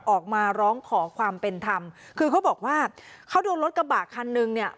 ออกมาร้องขอความเป็นธรรมคือเขาบอกว่าเขาโดนรถกระบะคันนึงเนี่ย